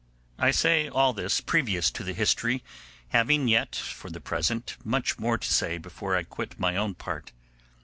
I say all this previous to the history, having yet, for the present, much more to say before I quit my own part.